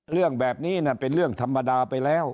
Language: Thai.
เรื่องแบบนี้เป็นเรื่องธรรมดาไปแล้ว